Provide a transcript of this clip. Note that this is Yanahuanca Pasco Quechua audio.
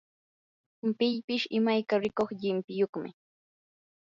pillpish imayka rikuq llimpiyuqmi.